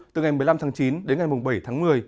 từ ngày một mươi năm tháng chín đến ngày bảy tháng một mươi